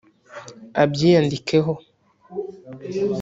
Abyiyandikeho